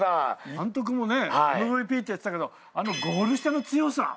監督もＭＶＰって言ってたけどあのゴール下の強さ。